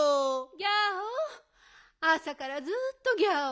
ギャオあさからずっとギャオ。